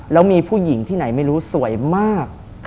แล้วมีผู้หญิงที่ไหนไม่รู้สวยมาก